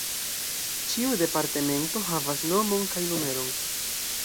Ĉiu departemento havas nomon kaj numeron.